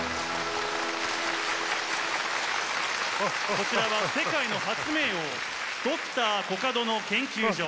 こちらは世界の発明王Ｄｒ．コカドの研究所。